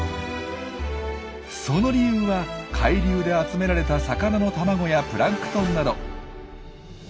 その理由は海流で集められた魚の卵やプランクトンなど。